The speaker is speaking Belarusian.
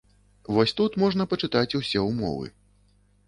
Вось тут можна пачытаць усе ўмовы.